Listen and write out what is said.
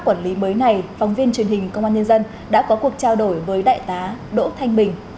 quản lý mới này phóng viên truyền hình công an nhân dân đã có cuộc trao đổi với đại tá đỗ thanh bình